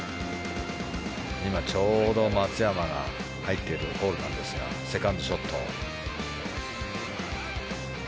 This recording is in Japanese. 今、ちょうど松山が入っているホールなんですがセカンドショット。